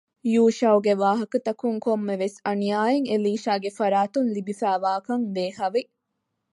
ޔޫޝައުގެ ވާހަކަތަކުން ކޮންމެވެސް އަނިޔާއެއް އެލީޝާގެފަރާތުން ލިބިފައިވާކަށް ދޭހަވި